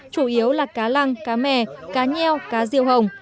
chủ yếu là cá lăng cá mè cá nheo cá riêu hồng